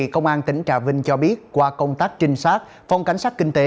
công an tỉnh trà vinh cho biết qua công tác trinh sát phòng cảnh sát kinh tế